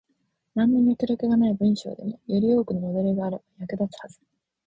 なんの脈絡がない文章でも、より多くのモデルがあれば役立つはず。